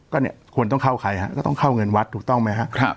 ก็เนี่ยควรต้องเข้าใครฮะก็ต้องเข้าเงินวัดถูกต้องไหมครับ